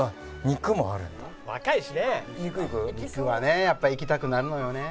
「肉はねやっぱいきたくなるのよね」